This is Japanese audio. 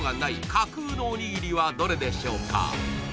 架空のおにぎりはどれでしょうか？